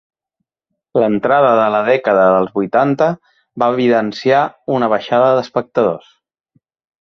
L’entrada de la dècada dels vuitanta va evidenciar una baixada d’espectadors.